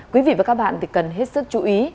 quý vị và các bạn thì cần hết sức chú ý